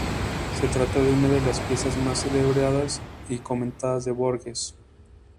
Se trata de una de las piezas más celebradas y comentadas de Borges.